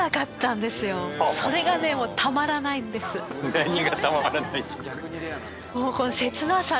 何がたまらないんですか？